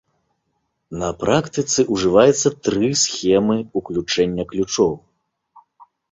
На практыцы ўжываецца тры схемы ўключэння ключоў.